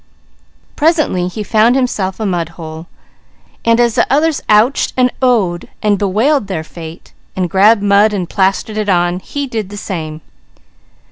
Presently he found himself beside a mudhole and as the others "ouched" and "o ohed" and bewailed their fate, and grabbed mud and plastered it on, he did the same.